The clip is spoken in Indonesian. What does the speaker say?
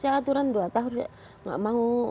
saya aturan dua tahun nggak mau